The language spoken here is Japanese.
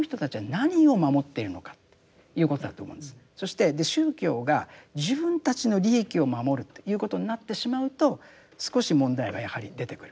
そして宗教が自分たちの利益を守るということになってしまうと少し問題がやはり出てくる。